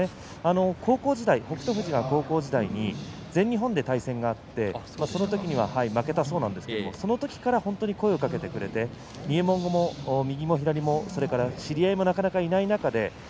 高校時代、北勝富士は高校時代に全日本で対戦があってその時は負けたそうなんですがその時から声をかけてくれて入門後右も左も分からなくて知り合いもいないところに。